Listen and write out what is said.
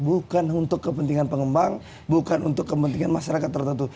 bukan untuk kepentingan pengembang bukan untuk kepentingan masyarakat tertentu